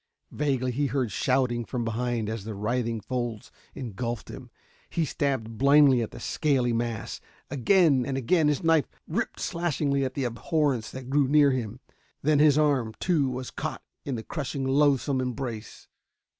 Vaguely he heard the shouting from behind as the writhing folds engulfed him. He stabbed blindly at the scaly mass; again and again his knife ripped slashingly at the abhorrence that drew him close. Then his arm, too, was caught in the crushing loathsome embrace....